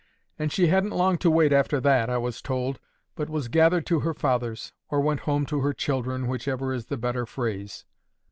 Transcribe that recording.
And she hadn't long to wait after that, I was told, but was gathered to her fathers—or went home to her children, whichever is the better phrase."